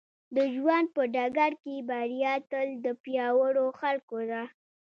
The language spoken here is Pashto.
د ژوند په ډګر کې بريا تل د پياوړو خلکو ده.